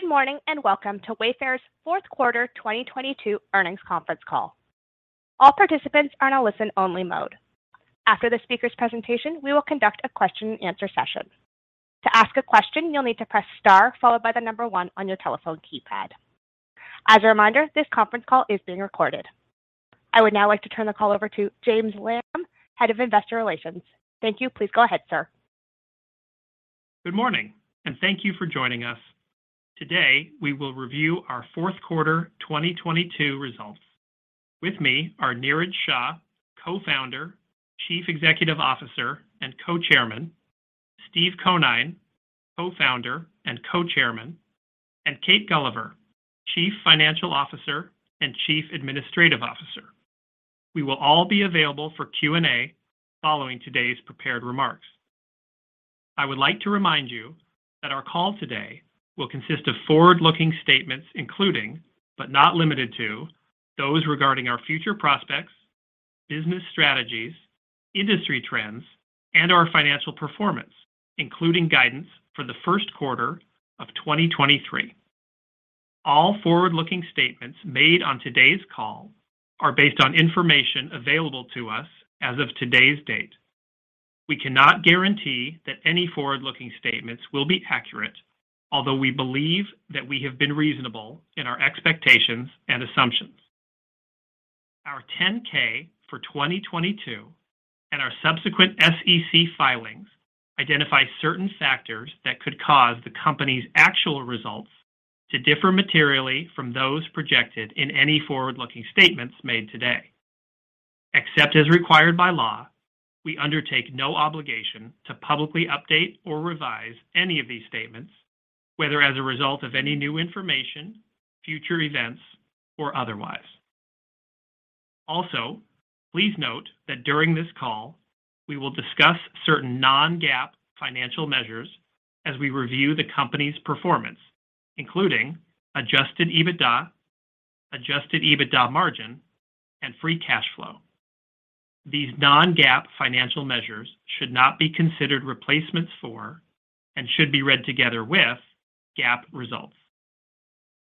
Good morning, and welcome to Wayfair's Q4 2022 earnings conference call. All participants are in a listen-only mode. After the speaker's presentation, we will conduct a question-and-answer session. To ask a question, you'll need to press star followed by the number one on your telephone keypad. As a reminder, this conference call is being recorded. I would now like to turn the call over to James Lamb, Head of Investor Relations. Thank you. Please go ahead, sir. Good morning, and thank you for joining us. Today, we will review our Q4 2022 results. With me are Niraj Shah, Co-founder, Chief Executive Officer, and Co-chairman, Steve Conine, Co-founder and Co-chairman, and Kate Gulliver, Chief Financial Officer and Chief Administrative Officer. We will all be available for Q&A following today's prepared remarks. I would like to remind you that our call today will consist of forward-looking statements including, but not limited to, those regarding our future prospects, business strategies, industry trends, and our financial performance, including guidance for the Q1 of 2023. All forward-looking statements made on today's call are based on information available to us as of today's date. We cannot guarantee that any forward-looking statements will be accurate, although we believe that we have been reasonable in our expectations and assumptions. Our 10-K for 2022 and our subsequent SEC filings identify certain factors that could cause the company's actual results to differ materially from those projected in any forward-looking statements made today. Except as required by law, we undertake no obligation to publicly update or revise any of these statements, whether as a result of any new information, future events, or otherwise. Also, please note that during this call, we will discuss certain non-GAAP financial measures as we review the company's performance, including adjusted EBITDA, adjusted EBITDA margin, and free cash flow. These non-GAAP financial measures should not be considered replacements for and should be read together with GAAP results.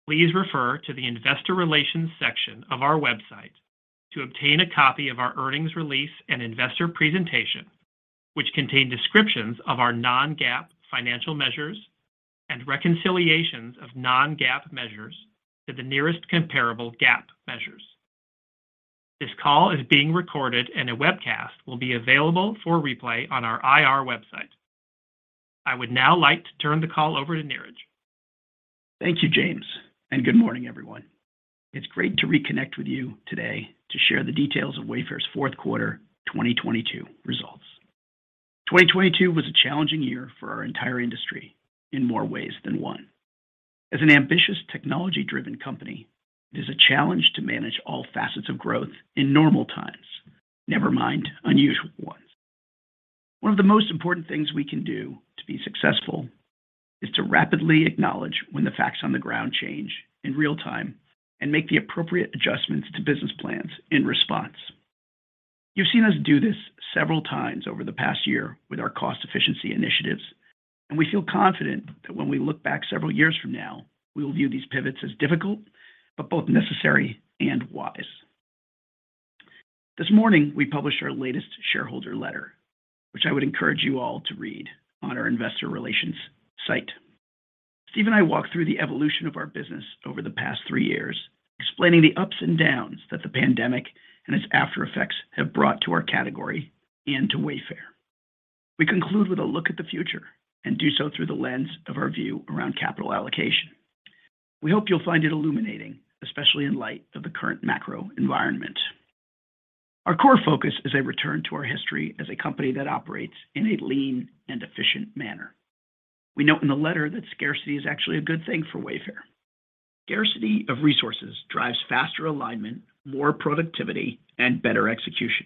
Please refer to the investor relations section of our website to obtain a copy of our earnings release and investor presentation, which contain descriptions of our non-GAAP financial measures and reconciliations of non-GAAP measures to the nearest comparable GAAP measures. This call is being recorded, and a webcast will be available for replay on our IR website. I would now like to turn the call over to Niraj. Thank you, James, and good morning, everyone. It's great to reconnect with you today to share the details of Wayfair's Q4 2022 results. 2022 was a challenging year for our entire industry in more ways than one. As an ambitious, technology-driven company, it is a challenge to manage all facets of growth in normal times, never mind unusual ones. One of the most important things we can do to be successful is to rapidly acknowledge when the facts on the ground change in real time and make the appropriate adjustments to business plans in response. You've seen us do this several times over the past year with our cost efficiency initiatives, and we feel confident that when we look back several years from now, we will view these pivots as difficult but both necessary and wise. This morning, we published our latest shareholder letter, which I would encourage you all to read on our investor relations site. Steve and I walked through the evolution of our business over the past three years, explaining the ups and downs that the pandemic and its aftereffects have brought to our category and to Wayfair. We conclude with a look at the future and do so through the lens of our view around capital allocation. We hope you'll find it illuminating, especially in light of the current macro environment. Our core focus is a return to our history as a company that operates in a lean and efficient manner. We note in the letter that scarcity is actually a good thing for Wayfair. Scarcity of resources drives faster alignment, more productivity, and better execution,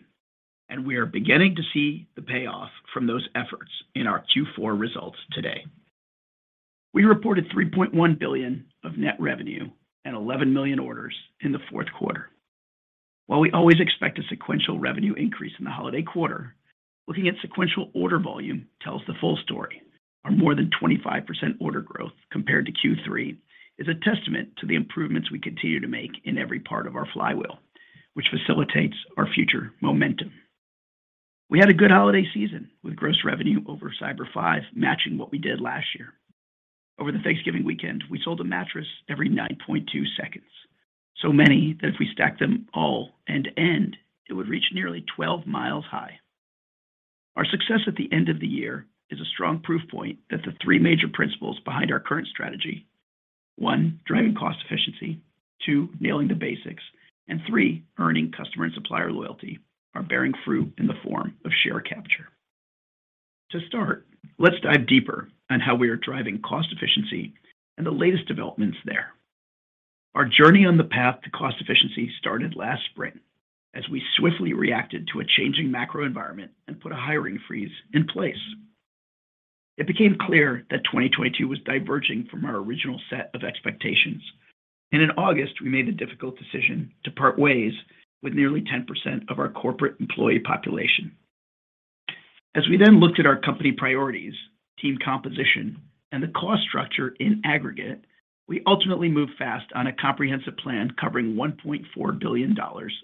and we are beginning to see the payoff from those efforts in our Q4 results today. We reported $3.1 billion of net revenue and $11 million orders in the Q4. We always expect a sequential revenue increase in the holiday quarter, looking at sequential order volume tells the full story. Our more than 25% order growth compared to Q3 is a testament to the improvements we continue to make in every part of our flywheel, which facilitates our future momentum. We had a good holiday season with gross revenue over Cyber Five matching what we did last year. Over the Thanksgiving weekend, we sold a mattress every 9.2 seconds. Many that if we stacked them all end to end, it would reach nearly 12 miles high. Our success at the end of the year is a strong proof point that the three major principles behind our current strategy, one, driving cost efficiency, two, Nailing the Basics, and three, earning customer and supplier loyalty, are bearing fruit in the form of share capture. To start, let's dive deeper on how we are driving cost efficiency and the latest developments there. Our journey on the path to cost efficiency started last spring as we swiftly reacted to a changing macro environment and put a hiring freeze in place. It became clear that 2022 was diverging from our original set of expectations. In August, we made the difficult decision to part ways with nearly 10% of our corporate employee population. As we looked at our company priorities, team composition, and the cost structure in aggregate, we ultimately moved fast on a comprehensive plan covering $1.4 billion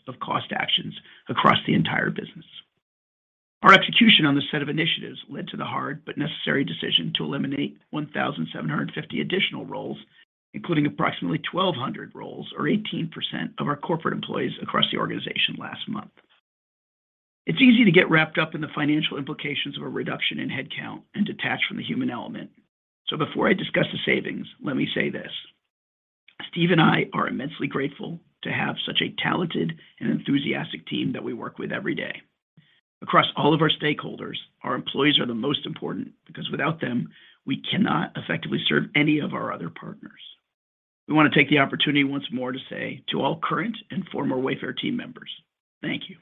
of cost actions across the entire business. Our execution on this set of initiatives led to the hard but necessary decision to eliminate 1,750 additional roles, including approximately 1,200 roles, or 18% of our corporate employees across the organization last month. It's easy to get wrapped up in the financial implications of a reduction in headcount and detach from the human element. Before I discuss the savings, let me say this: Steve and I are immensely grateful to have such a talented and enthusiastic team that we work with every day. Across all of our stakeholders, our employees are the most important because without them, we cannot effectively serve any of our other partners. We want to take the opportunity once more to say to all current and former Wayfair team members, thank you.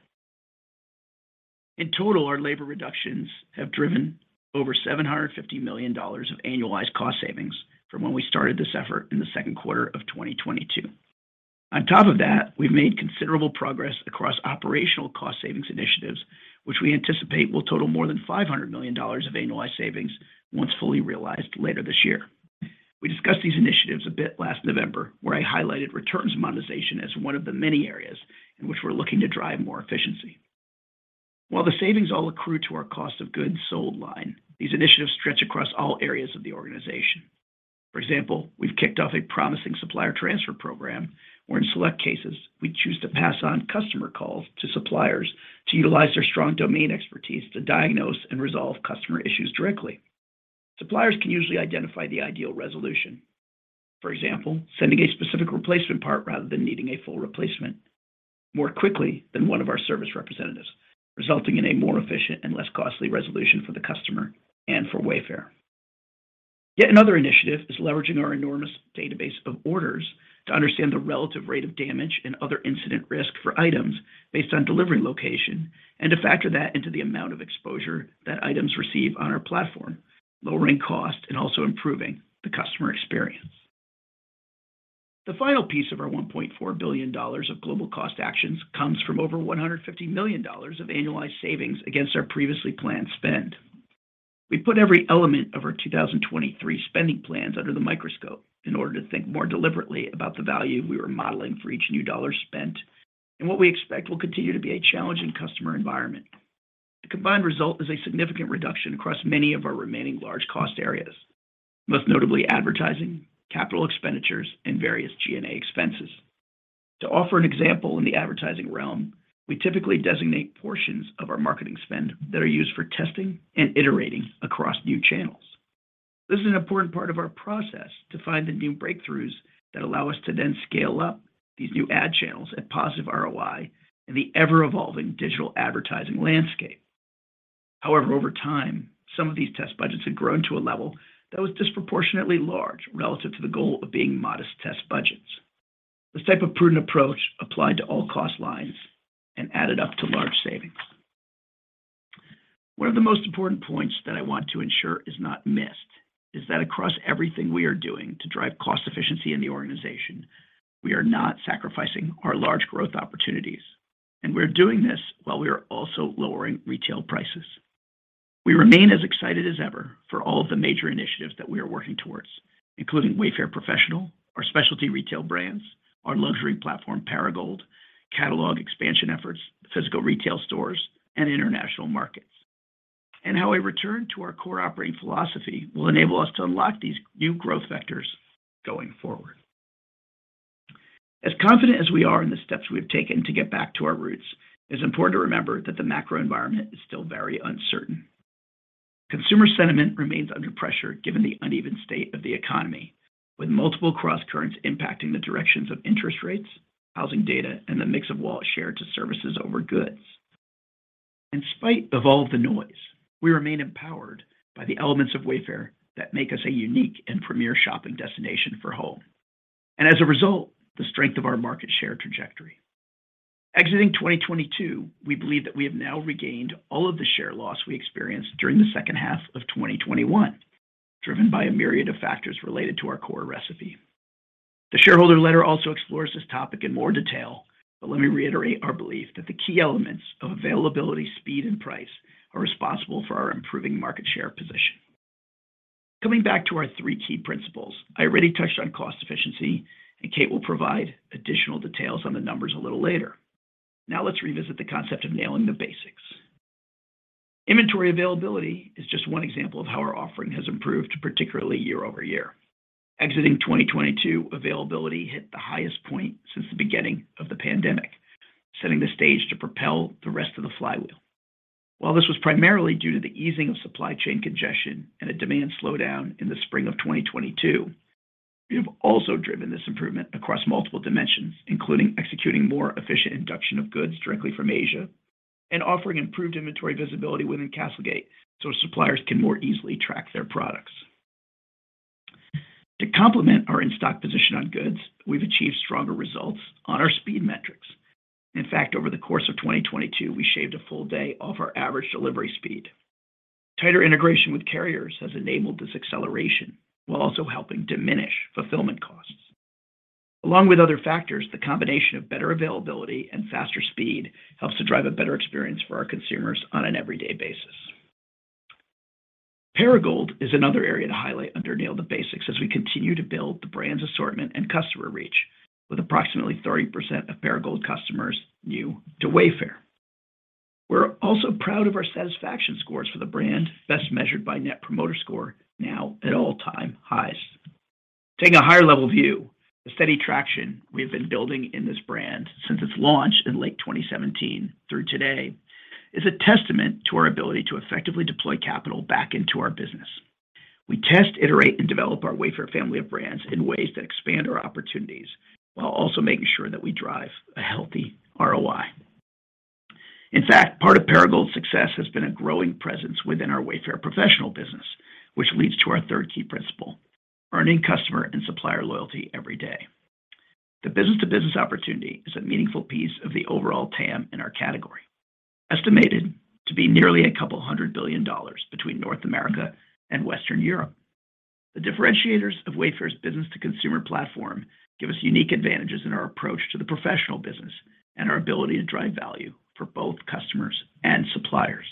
In total, our labor reductions have driven over $750 million of annualized cost savings from when we started this effort in the Q2 of 2022. On top of that, we've made considerable progress across operational cost savings initiatives, which we anticipate will total more than $500 million of annualized savings once fully realized later this year. We discussed these initiatives a bit last November, where I highlighted returns monetization as one of the many areas in which we're looking to drive more efficiency. While the savings all accrue to our cost of goods sold line, these initiatives stretch across all areas of the organization. For example, we've kicked off a promising supplier transfer program where in select cases, we choose to pass on customer calls to suppliers to utilize their strong domain expertise to diagnose and resolve customer issues directly. Suppliers can usually identify the ideal resolution. For example, sending a specific replacement part rather than needing a full replacement more quickly than one of our service representatives, resulting in a more efficient and less costly resolution for the customer and for Wayfair. Yet another initiative is leveraging our enormous database of orders to understand the relative rate of damage and other incident risk for items based on delivery location, and to factor that into the amount of exposure that items receive on our platform, lowering cost and also improving the customer experience. The final piece of our $1.4 billion of global cost actions comes from over $150 million of annualized savings against our previously planned spend. We put every element of our 2023 spending plans under the microscope in order to think more deliberately about the value we were modeling for each new dollar spent and what we expect will continue to be a challenging customer environment. The combined result is a significant reduction across many of our remaining large cost areas, most notably advertising, capital expenditures, and various G&A expenses. To offer an example in the advertising realm, we typically designate portions of our marketing spend that are used for testing and iterating across new channels. This is an important part of our process to find the new breakthroughs that allow us to then scale up these new ad channels at positive ROI in the ever-evolving digital advertising landscape. However, over time, some of these test budgets had grown to a level that was disproportionately large relative to the goal of being modest test budgets. This type of prudent approach applied to all cost lines and added up to large savings. One of the most important points that I want to ensure is not missed is that across everything we are doing to drive cost efficiency in the organization, we are not sacrificing our large growth opportunities, and we're doing this while we are also lowering retail prices. We remain as excited as ever for all of the major initiatives that we are working towards, including Wayfair Professional, our specialty retail brands, our luxury platform, Perigold, catalog expansion efforts, physical retail stores, and international markets, and how a return to our core operating philosophy will enable us to unlock these new growth vectors going forward. As confident as we are in the steps we have taken to get back to our roots, it's important to remember that the macro environment is still very uncertain. Consumer sentiment remains under pressure given the uneven state of the economy, with multiple crosscurrents impacting the directions of interest rates, housing data, and the mix of wallet share to services over goods. In spite of all the noise, we remain empowered by the elements of Wayfair that make us a unique and premier shopping destination for home. As a result, the strength of our market share trajectory. Exiting 2022, we believe that we have now regained all of the share loss we experienced during the second half of 2021, driven by a myriad of factors related to our core recipe. The shareholder letter also explores this topic in more detail. Let me reiterate our belief that the key elements of availability, speed, and price are responsible for our improving market share position. Coming back to our three key principles, I already touched on cost efficiency. Kate will provide additional details on the numbers a little later. Let's revisit the concept of Nail the Basics. Inventory availability is just 1 example of how our offering has improved, particularly year-over-year. Exiting 2022, availability hit the highest point since the beginning of the pandemic, setting the stage to propel the rest of the flywheel. While this was primarily due to the easing of supply chain congestion and a demand slowdown in the spring of 2022, we have also driven this improvement across multiple dimensions, including executing more efficient induction of goods directly from Asia and offering improved inventory visibility within CastleGate so suppliers can more easily track their products. To complement our in-stock position on goods, we've achieved stronger results on our speed metrics. In fact, over the course of 2022, we shaved a full day off our average delivery speed. Tighter integration with carriers has enabled this acceleration while also helping diminish fulfillment costs. Along with other factors, the combination of better availability and faster speed helps to drive a better experience for our consumers on an everyday basis. Perigold is another area to highlight under Nail the Basics as we continue to build the brand's assortment and customer reach with approximately 30% of Perigold customers new to Wayfair. We're also proud of our satisfaction scores for the brand, best measured by Net Promoter Score now at all-time highs. Taking a higher-level view, the steady traction we have been building in this brand since its launch in late 2017 through today is a testament to our ability to effectively deploy capital back into our business. We test, iterate, and develop our Wayfair family of brands in ways that expand our opportunities while also making sure that we drive a healthy ROI. Part of Perigold's success has been a growing presence within our Wayfair Professional business, which leads to our third key principle, earning customer and supplier loyalty every day. The business-to-business opportunity is a meaningful piece of the overall TAM in our category, estimated to be nearly $200 billion between North America and Western Europe. The differentiators of Wayfair's business-to-consumer platform give us unique advantages in our approach to the professional business and our ability to drive value for both customers and suppliers.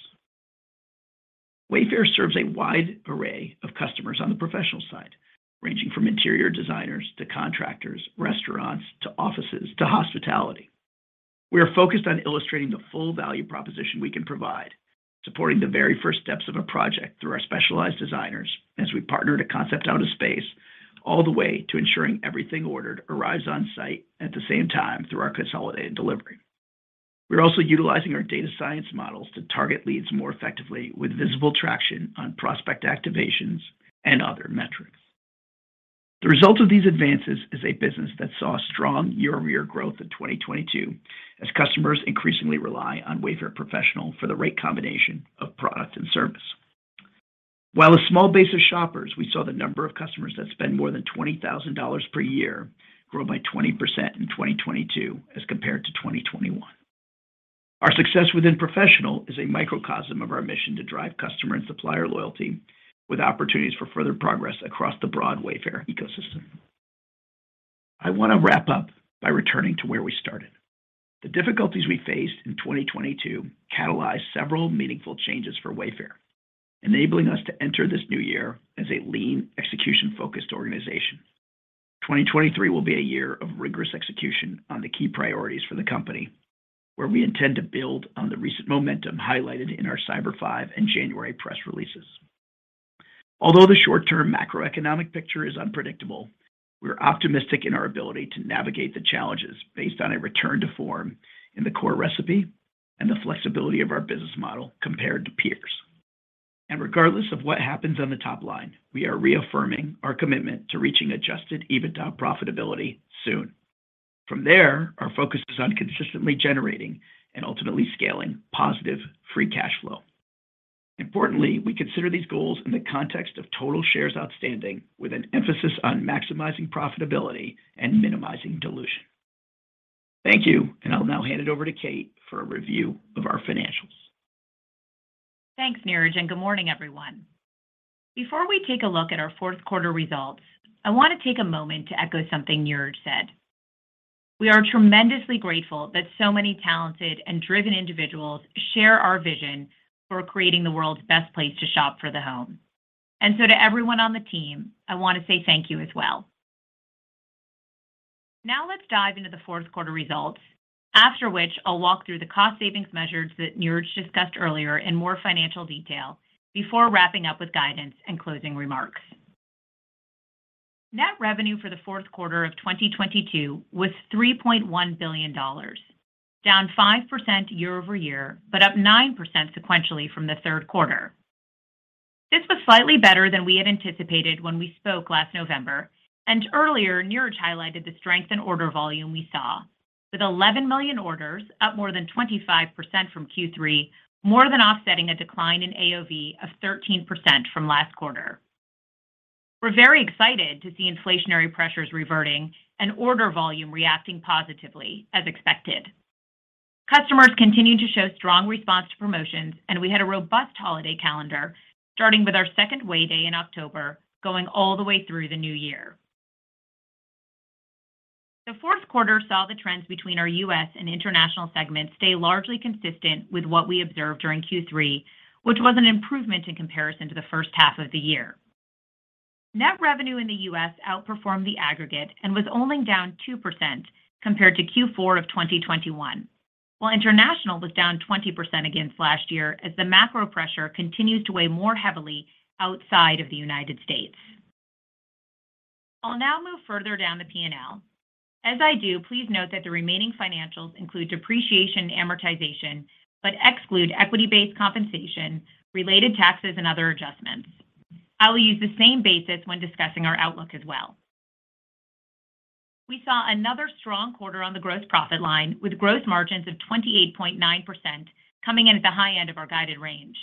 Wayfair serves a wide array of customers on the professional side, ranging from interior designers to contractors, restaurants, to offices, to hospitality. We are focused on illustrating the full value proposition we can provide, supporting the very first steps of a project through our specialized designers as we partner to concept out a space all the way to ensuring everything ordered arrives on site at the same time through our consolidated delivery. We're also utilizing our data science models to target leads more effectively with visible traction on prospect activations and other metrics. The result of these advances is a business that saw strong year-over-year growth in 2022 as customers increasingly rely on Wayfair Professional for the right combination of product and service. While a small base of shoppers, we saw the number of customers that spend more than $20,000 per year grow by 20% in 2022 as compared to 2021. Our success within Professional is a microcosm of our mission to drive customer and supplier loyalty with opportunities for further progress across the broad Wayfair ecosystem. I want to wrap up by returning to where we started. The difficulties we faced in 2022 catalyzed several meaningful changes for Wayfair, enabling us to enter this new year as a lean, execution-focused organization. 2023 will be a year of rigorous execution on the key priorities for the company, where we intend to build on the recent momentum highlighted in our Cyber Five and January press releases. Although the short-term macroeconomic picture is unpredictable, we're optimistic in our ability to navigate the challenges based on a return to form in the core recipe and the flexibility of our business model compared to peers. Regardless of what happens on the top line, we are reaffirming our commitment to reaching adjusted EBITDA profitability soon. From there, our focus is on consistently generating and ultimately scaling positive free cash flow. Importantly, we consider these goals in the context of total shares outstanding with an emphasis on maximizing profitability and minimizing dilution. Thank you. I'll now hand it over to Kate for a review of our financials. Thanks, Niraj, good morning, everyone. Before we take a look at our Q4 results, I want to take a moment to echo something Niraj said. We are tremendously grateful that so many talented and driven individuals share our vision for creating the world's best place to shop for the home. To everyone on the team, I want to say thank you as well. Now let's dive into the Q4 results, after which I'll walk through the cost savings measures that Niraj discussed earlier in more financial detail before wrapping up with guidance and closing remarks. Net revenue for the Q4 of 2022 was $3.1 billion, down 5% year-over-year, up 9% sequentially from the Q3. This was slightly better than we had anticipated when we spoke last November, and earlier, Niraj highlighted the strength in order volume we saw, with 11 million orders, up more than 25% from Q3, more than offsetting a decline in AOV of 13% from last quarter. We're very excited to see inflationary pressures reverting and order volume reacting positively as expected. Customers continued to show strong response to promotions, and we had a robust holiday calendar, starting with our second Way Day in October, going all the way through the new year. The Q4 saw the trends between our U.S. and international segments stay largely consistent with what we observed during Q3, which was an improvement in comparison to the first half of the year. Net revenue in the US outperformed the aggregate and was only down 2% compared to Q4 of 2021. International was down 20% against last year as the macro pressure continues to weigh more heavily outside of the United States. I'll now move further down the P&L. As I do, please note that the remaining financials include depreciation and amortization, but exclude equity-based compensation, related taxes, and other adjustments. I will use the same basis when discussing our outlook as well. We saw another strong quarter on the gross profit line with gross margins of 28.9% coming in at the high end of our guided range.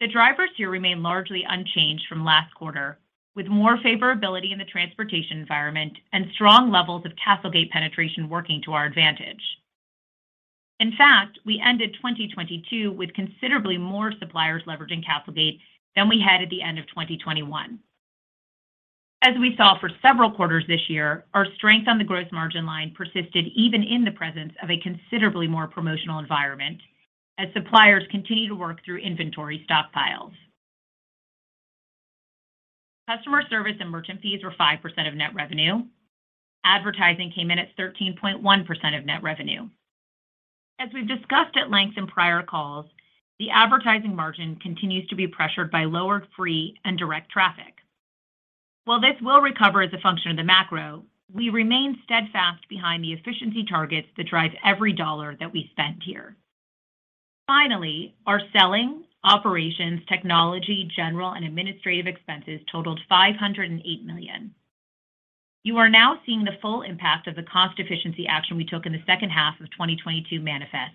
The drivers here remain largely unchanged from last quarter with more favorability in the transportation environment and strong levels of CastleGate penetration working to our advantage. In fact, we ended 2022 with considerably more suppliers leveraging CastleGate than we had at the end of 2021. As we saw for several quarters this year, our strength on the gross margin line persisted even in the presence of a considerably more promotional environment as suppliers continue to work through inventory stockpiles. Customer service and merchant fees were 5% of net revenue. Advertising came in at 13.1% of net revenue. As we've discussed at length in prior calls, the advertising margin continues to be pressured by lower free and direct traffic. While this will recover as a function of the macro, we remain steadfast behind the efficiency targets that drive every dollar that we spent here. Finally, our selling, operations, technology, general, and administrative expenses totaled $508 million. You are now seeing the full impact of the cost efficiency action we took in the second half of 2022 manifest.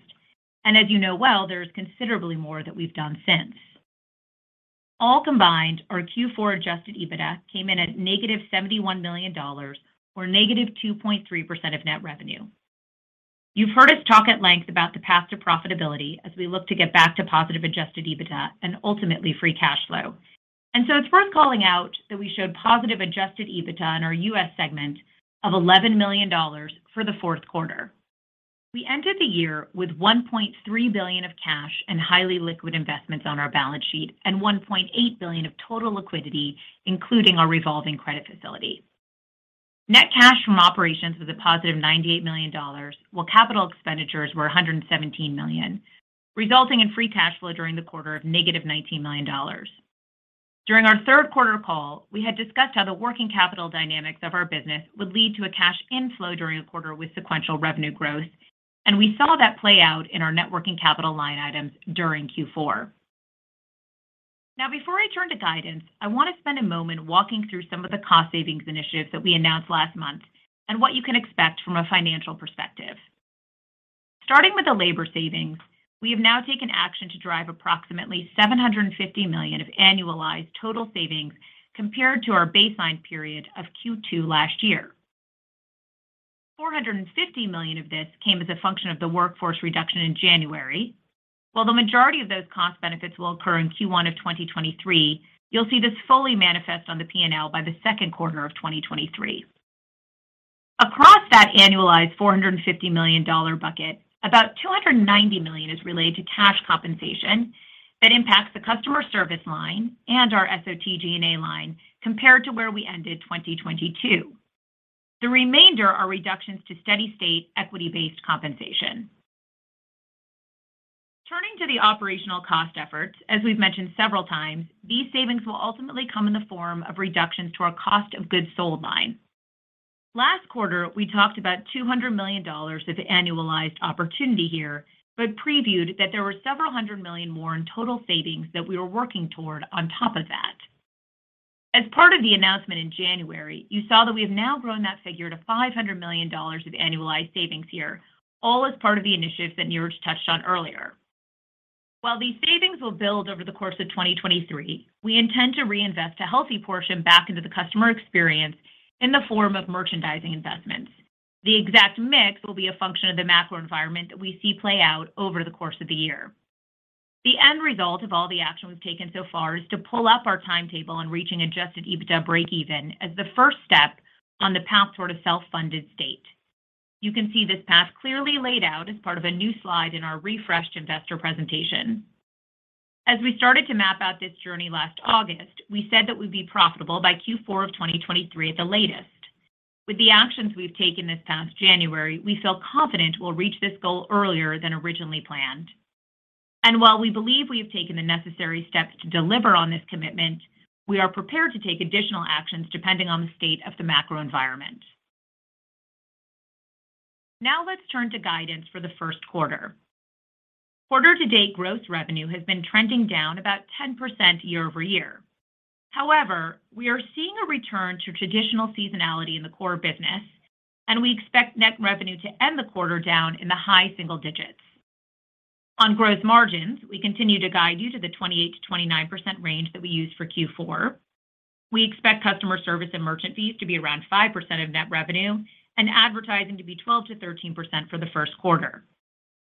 As you know well, there is considerably more that we've done since. All combined, our Q4 adjusted EBITDA came in at negative $71 million or negative 2.3% of net revenue. You've heard us talk at length about the path to profitability as we look to get back to positive adjusted EBITDA and ultimately free cash flow. So it's worth calling out that we showed positive adjusted EBITDA in our U.S. segment of $11 million for the Q4. We ended the year with $1.3 billion of cash and highly liquid investments on our balance sheet and $1.8 billion of total liquidity, including our revolving credit facility. Net cash from operations was a positive $98 million, while capital expenditures were $117 million, resulting in free cash flow during the quarter of negative $19 million. During our Q3 call, we had discussed how the working capital dynamics of our business would lead to a cash inflow during a quarter with sequential revenue growth, and we saw that play out in our net working capital line items during Q4. Before I turn to guidance, I want to spend a moment walking through some of the cost savings initiatives that we announced last month and what you can expect from a financial perspective. Starting with the labor savings, we have now taken action to drive approximately $750 million of annualized total savings compared to our baseline period of Q2 last year. $450 million of this came as a function of the workforce reduction in January. While the majority of those cost benefits will occur in Q1 of 2023, you'll see this fully manifest on the P&L by the Q2 of 2023. Across that annualized $450 million bucket, about $290 million is related to cash compensation that impacts the customer service line and our SOTG&A line compared to where we ended 2022. The remainder are reductions to steady-state equity-based compensation. Turning to the operational cost efforts, as we've mentioned several times, these savings will ultimately come in the form of reductions to our cost of goods sold line. Last quarter, we talked about $200 million of annualized opportunity here, but previewed that there were several hundred million more in total savings that we were working toward on top of that. As part of the announcement in January, you saw that we have now grown that figure to $500 million of annualized savings here, all as part of the initiatives that Niraj touched on earlier. While these savings will build over the course of 2023, we intend to reinvest a healthy portion back into the customer experience in the form of merchandising investments. The exact mix will be a function of the macro environment that we see play out over the course of the year. The end result of all the action we've taken so far is to pull up our timetable on reaching adjusted EBITDA breakeven as the first step on the path toward a self-funded state. You can see this path clearly laid out as part of a new slide in our refreshed investor presentation. As we started to map out this journey last August, we said that we'd be profitable by Q4 of 2023 at the latest. With the actions we've taken this past January, we feel confident we'll reach this goal earlier than originally planned. While we believe we have taken the necessary steps to deliver on this commitment, we are prepared to take additional actions depending on the state of the macro environment. Let's turn to guidance for the Q1. Quarter-to-date gross revenue has been trending down about 10% year-over-year. We are seeing a return to traditional seasonality in the core business, and we expect net revenue to end the quarter down in the high single digits. On gross margins, we continue to guide you to the 28%-29% range that we used for Q4. We expect customer service and merchant fees to be around 5% of net revenue and advertising to be 12%-13% for the Q1.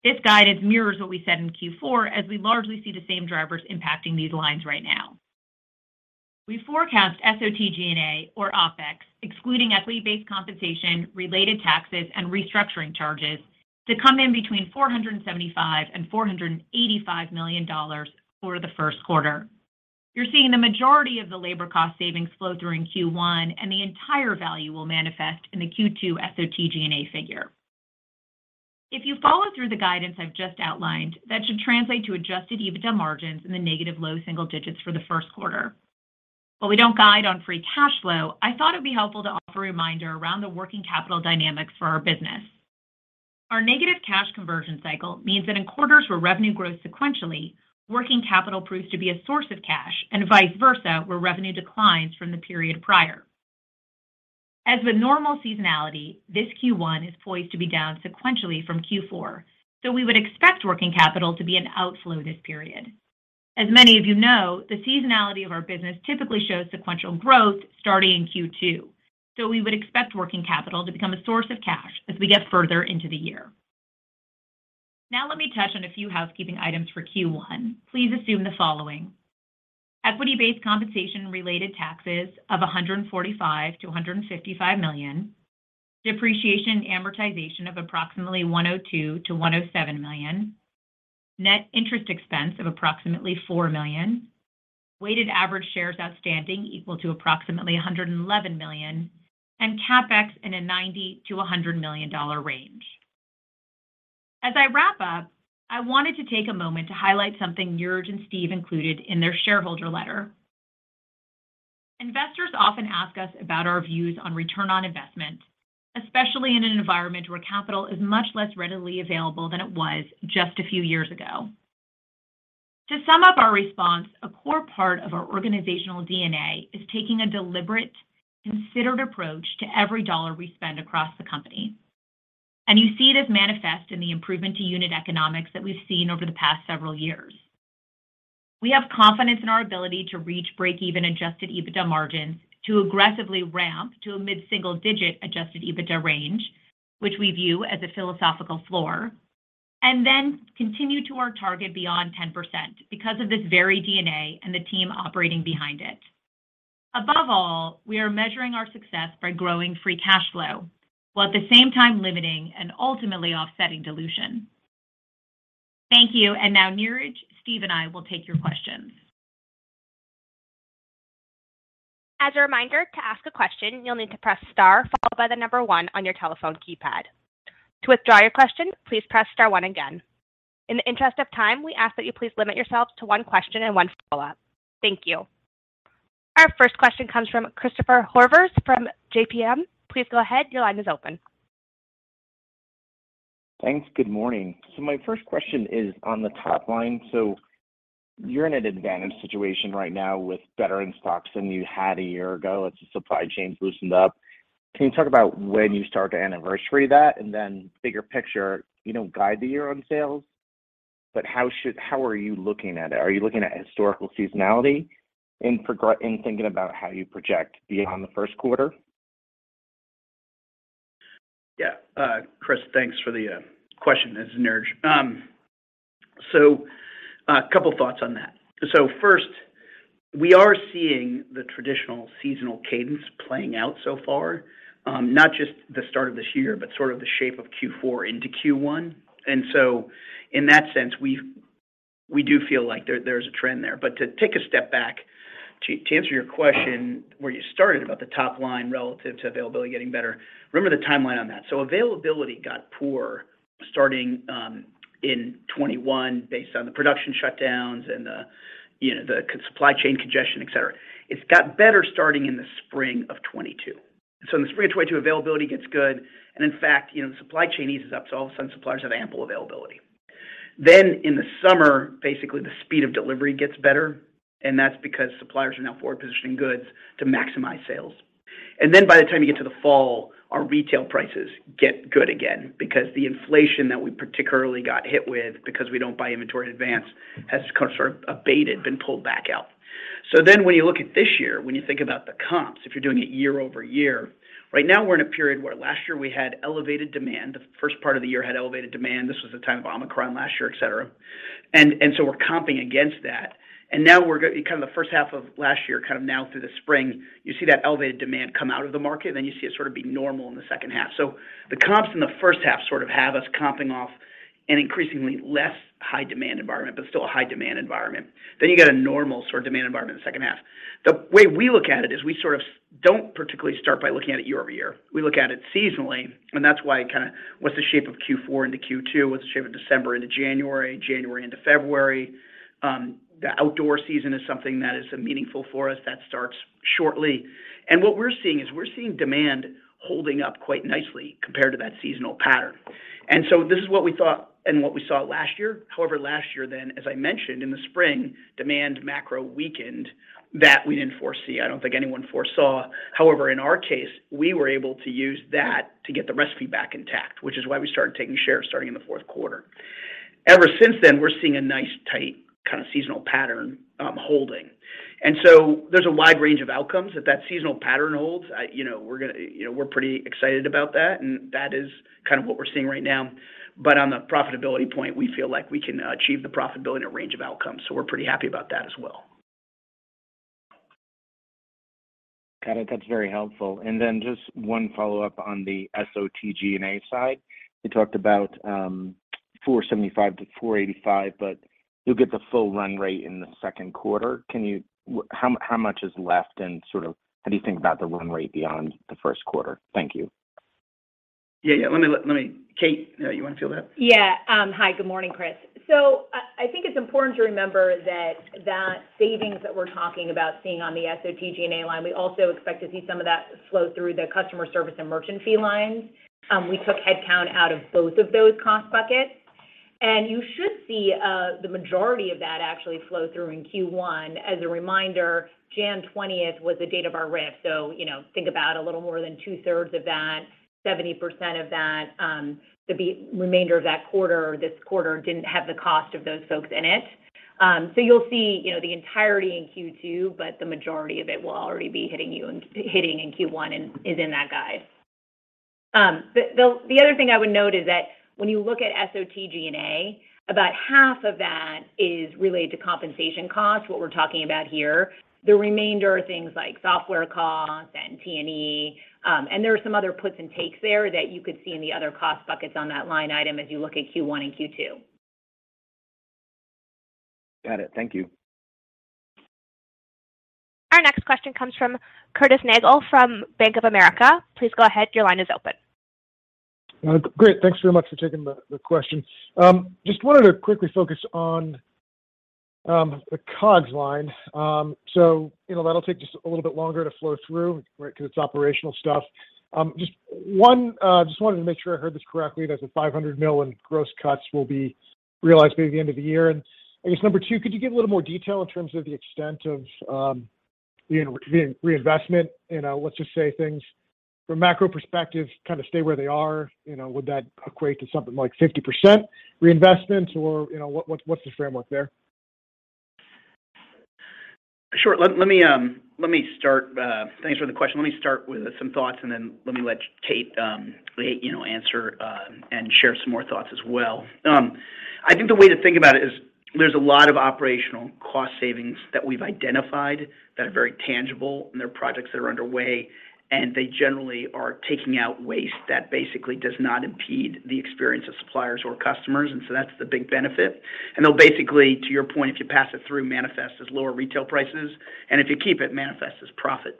This guidance mirrors what we said in Q4 as we largely see the same drivers impacting these lines right now. We forecast SOTG&A or OpEx, excluding equity-based compensation, related taxes, and restructuring charges, to come in between $475 million and $485 million for the Q1. You're seeing the majority of the labor cost savings flow through in Q1, and the entire value will manifest in the Q2 SOTG&A figure. If you follow through the guidance I've just outlined, that should translate to adjusted EBITDA margins in the negative low single digits for the Q1. While we don't guide on free cash flow, I thought it'd be helpful to offer a reminder around the working capital dynamics for our business. Our negative cash conversion cycle means that in quarters where revenue grows sequentially, working capital proves to be a source of cash, and vice versa where revenue declines from the period prior. As with normal seasonality, this Q1 is poised to be down sequentially from Q4, so we would expect working capital to be an outflow this period. As many of you know, the seasonality of our business typically shows sequential growth starting in Q2. We would expect working capital to become a source of cash as we get further into the year. Now let me touch on a few housekeeping items for Q1. Please assume the following: equity-based compensation related taxes of $145 million-$155 million, depreciation and amortization of approximately $102 million-$107 million, net interest expense of approximately $4 million, weighted average shares outstanding equal to approximately 111 million, and CapEx in a $90 million-$100 million range. As I wrap up, I wanted to take a moment to highlight something Niraj and Steve included in their shareholder letter. Investors often ask us about our views on return on investment, especially in an environment where capital is much less readily available than it was just a few years ago. To sum up our response, a core part of our organizational DNA is taking a deliberate, considered approach to every dollar we spend across the company. You see it as manifest in the improvement to unit economics that we've seen over the past several years. We have confidence in our ability to reach break-even adjusted EBITDA margins to aggressively ramp to a mid-single digit adjusted EBITDA range, which we view as a philosophical floor, and then continue to our target beyond 10% because of this very DNA and the team operating behind it. Above all, we are measuring our success by growing free cash flow, while at the same time limiting and ultimately offsetting dilution. Thank you. Now Niraj, Steve, and I will take your questions. As a reminder, to ask a question, you'll need to press star followed by the number one on your telephone keypad. To withdraw your question, please press star one again. In the interest of time, we ask that you please limit yourselves to one question and one follow-up. Thank you. Our first question comes from Christopher Horvers from JPM. Please go ahead. Your line is open. Thanks. Good morning. My first question is on the top line. You're in an advantage situation right now with better in-stocks than you had a year ago as the supply chains loosened up. Can you talk about when you start to anniversary that and then bigger picture, you don't guide the year on sales, but how are you looking at it? Are you looking at historical seasonality in thinking about how you project beyond the Q1? Chris, thanks for the question. This is Niraj. A couple thoughts on that. First, we are seeing the traditional seasonal cadence playing out so far, not just the start of this year, but sort of the shape of Q4 into Q1. In that sense, we do feel like there's a trend there. To take a step back to answer your question where you started about the top line relative to availability getting better, remember the timeline on that. Availability got poor starting in 2021 based on the production shutdowns and the, you know, the supply chain congestion, et cetera. It's got better starting in the spring of 2022. In the spring of 2022, availability gets good, and in fact, you know, the supply chain eases up, so all of a sudden suppliers have ample availability. In the summer, basically the speed of delivery gets better, and that's because suppliers are now forward-positioning goods to maximize sales. By the time you get to the fall, our retail prices get good again because the inflation that we particularly got hit with because we don't buy inventory in advance has kind of sort of abated, been pulled back out. When you look at this year, when you think about the comps, if you're doing it year-over-year, right now we're in a period where last year we had elevated demand. The first part of the year had elevated demand. This was the time of Omicron last year, et cetera. We're comping against that. Now we're kind of the first half of last year, kind of now through the spring, you see that elevated demand come out of the market, then you see it sort of be normal in the second half. The comps in the first half sort of have us comping off an increasingly less high demand environment, but still a high demand environment. You got a normal sort of demand environment in the second half. The way we look at it is we sort of don't particularly start by looking at it year-over-year. We look at it seasonally, that's why kind of what's the shape of Q4 into Q2? What's the shape of December into January into February? The outdoor season is something that is meaningful for us. That starts shortly. What we're seeing is we're seeing demand holding up quite nicely compared to that seasonal pattern. This is what we thought and what we saw last year. Last year then, as I mentioned, in the spring, demand macro weakened. That we didn't foresee. I don't think anyone foresaw. In our case, we were able to use that to get the recipe back intact, which is why we started taking shares starting in the Q4. Ever since then, we're seeing a nice, tight kind of seasonal pattern, holding. There's a wide range of outcomes. If that seasonal pattern holds, I, you know, we're gonna, you know, we're pretty excited about that, and that is kind of what we're seeing right now. On the profitability point, we feel like we can achieve the profitability in a range of outcomes. We're pretty happy about that as well. Got it. That's very helpful. Just one follow-up on the SOTG&A side. You talked about $475-$485, but you'll get the full run rate in the Q2. How much is left and sort of how do you think about the run rate beyond the Q1? Thank you. Yeah. Yeah. Let me, Kate, you wanna field that? Hi. Good morning, Chris. I think it's important to remember that that savings that we're talking about seeing on the SOTG&A line, we also expect to see some of that flow through the customer service and merchant fee lines. We took headcount out of both of those cost buckets. You should see the majority of that actually flow through in Q1. As a reminder, 20th January was the date of our RIF, you know, think about a little more than two-thirds of that, 70% of that, the remainder of that quarter or this quarter didn't have the cost of those folks in it. You'll see, you know, the entirety in Q2, but the majority of it will already be hitting in Q1 and is in that guide. The other thing I would note is that when you look at SOTG&A, about half of that is related to compensation costs, what we're talking about here. The remainder are things like software costs and T&E. There are some other puts and takes there that you could see in the other cost buckets on that line item as you look at Q1 and Q2. Got it. Thank you. Our next question comes from Curtis Nagle from Bank of America. Please go ahead. Your line is open. Great. Thanks very much for taking the question. just wanted to quickly focus on the COGS line. you know, that'll take just a little bit longer to flow through, right? 'Cause it's operational stuff. just wanted to make sure I heard this correctly. There's a $500 million in gross cuts will be realized by the end of the year. I guess number two, could you give a little more detail in terms of the extent of, you know, reinvestment? You know, let's just say things from a macro perspective, kind of stay where they are. You know, would that equate to something like 50% reinvestment or, you know, what's the framework there? Sure. Let me start. Thanks for the question. Let me start with some thoughts, and then let me let Kate, you know, answer and share some more thoughts as well. I think the way to think about it is there's a lot of operational cost savings that we've identified that are very tangible, and they're projects that are underway, and they generally are taking out waste that basically does not impede the experience of suppliers or customers. That's the big benefit. They'll basically, to your point, if you pass it through, manifest as lower retail prices, and if you keep it, manifest as profit.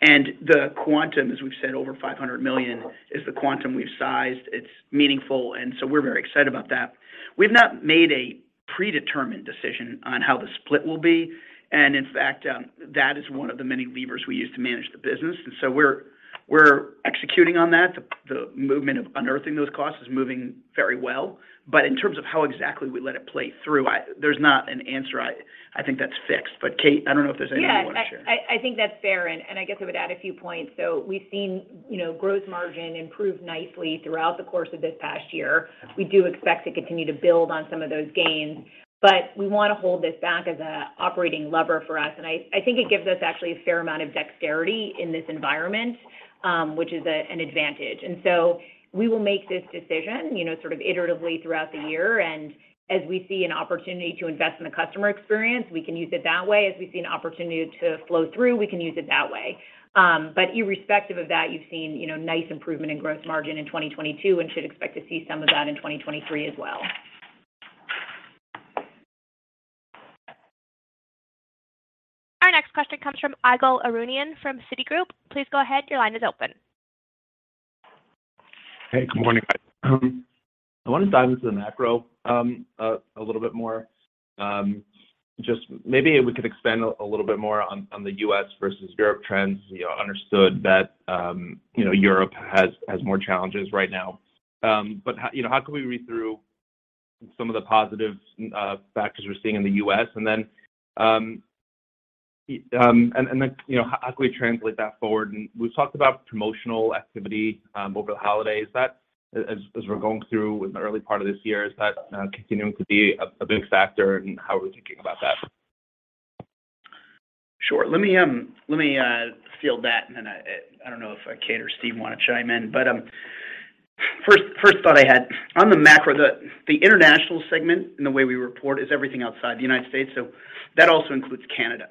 The quantum, as we've said, over $500 million, is the quantum we've sized. It's meaningful, and so we're very excited about that. We've not made a predetermined decision on how the split will be, and in fact, that is one of the many levers we use to manage the business. We're executing on that. The movement of unearthing those costs is moving very well. In terms of how exactly we let it play through, there's not an answer I think that's fixed. Kate, I don't know if there's anything you wanna share. Yeah. I think that's fair, and I guess I would add a few points. We've seen, you know, gross margin improve nicely throughout the course of this past year. We do expect to continue to build on some of those gains, but we wanna hold this back as an operating lever for us. I think it gives us actually a fair amount of dexterity in this environment, which is an advantage. We will make this decision, you know, sort of iteratively throughout the year. As we see an opportunity to invest in the customer experience, we can use it that way. As we see an opportunity to flow through, we can use it that way. Irrespective of that, you've seen, you know, nice improvement in gross margin in 2022 and should expect to see some of that in 2023 as well. Our next question comes from Ygal Arounian from Citigroup. Please go ahead. Your line is open. Hey, good morning, guys. I wanna dive into the macro a little bit more. Just maybe if we could expand a little bit more on the U.S. versus Europe trends. You know, understood that, you know, Europe has more challenges right now. How, you know, how can we read through some of the positive factors we're seeing in the U.S.? Then, you know, how can we translate that forward? We've talked about promotional activity over the holidays. As we're going through in the early part of this year, is that continuing to be a big factor, and how are we thinking about that? Sure. Let me let me field that, and then I don't know if Kate or Steve wanna chime in. First thought I had. On the macro, the international segment in the way we report is everything outside the United States, so that also includes Canada.